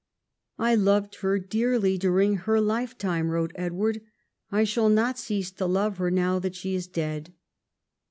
"I loved her dearly during her lifetime," wrote Edward ; "I shall not cease to love her now that she is dead."